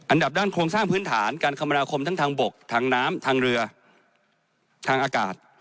อันดับด้านโครงสร้างพื้นฐานการคมนาคมทั้งทางบกทางน้ำทางเรือทางอากาศ